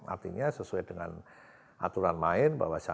artinya sesuai dengan aturan lain bahwasanya